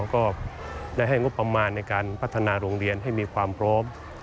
ก็ได้ให้งบประมาณในการพัฒนาโรงเรียนให้มีความพร้อม